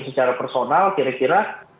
secara personal kira kira